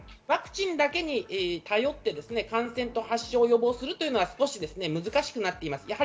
ワクチンだけに頼って感染と発症を予防するというのは少し難しくなっています。